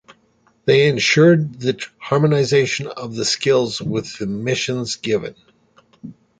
They ensured the harmonization of the skills with the missions given.